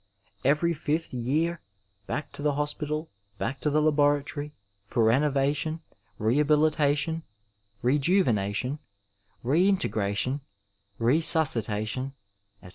Every fifth year, back to the hospital, back to the laboratory, for renovation, rehabiUtation, rejuvenation, reintegration, resuscitation, etc.